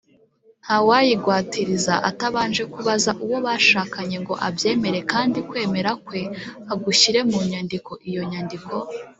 ntawayigwatiriza atabanje kubaza uwo bashakanye ngo abyemere kandi kwemera kwe agushyire mu nyandiko.iyo nyandiko